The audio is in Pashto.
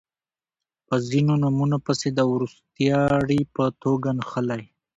په ځینو نومونو پسې د وروستاړي په توګه نښلی